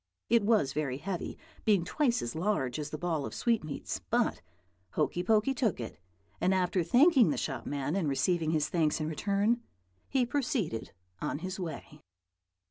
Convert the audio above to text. It was very heavy, being twice as large as the ball of sweetmeats; but Hokey Pokey took it, and, after thanking the shop man and receiving his thanks in return, he proceeded on his way.